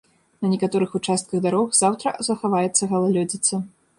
На некаторых участках дарог заўтра захаваецца галалёдзіца.